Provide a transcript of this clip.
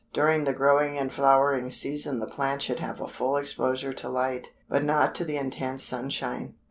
During the growing and flowering season the plant should have a full exposure to the light, but not to the intense sunshine.